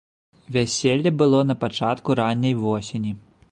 Вяселле было на пачатку ранняй восені.